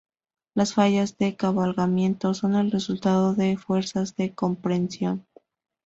Las fallas de cabalgamiento son el resultado de fuerzas de compresión.